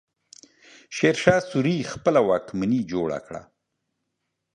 شېرشاه سوري خپله واکمني جوړه کړه.